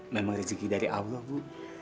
memang rezeki dari allah bu